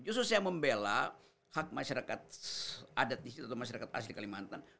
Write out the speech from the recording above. justru saya membela hak masyarakat adat di situ atau masyarakat asli kalimantan